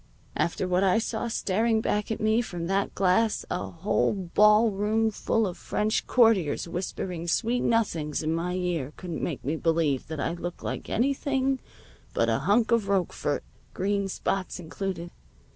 After what I saw staring back at me from that glass a whole ballroom full of French courtiers whispering sweet nothings in my ear couldn't make me believe that I look like anything but a hunk of Roquefort, green spots included.